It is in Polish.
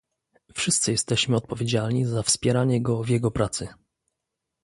Wszyscy jesteśmy odpowiedzialni za wspieranie go w jego pracy